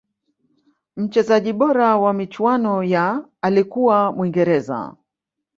mchezaji bora wa michuano ya alikuwa mwingereza